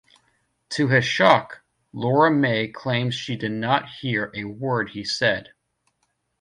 To his shock, Lora Mae claims she did not hear a word he said.